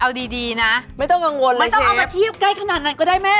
เอาคือดีนะไม่ต้องกังวลเลยเชฟโอ้โฮไม่ต้องเอามาเทียบนี้แค่นั้นก็ได้แม่